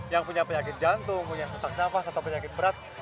yang punya penyakit jantung punya sesak nafas atau penyakit berat